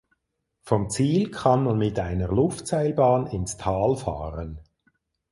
Vom Ziel kann man mit einer Luftseilbahn ins Tal fahren.